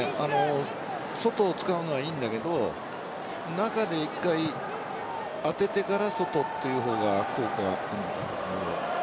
外を使うのはいいんだけど中で１回当ててから外という方が効果があると思う。